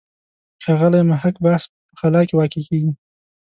ښاغلي محق بحث په خلا کې واقع کېږي.